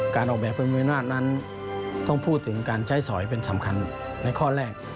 การออกแบบพระอำนาจนั้นต้องพูดถึงการใช้สอยเป็นสำคัญในข้อแรก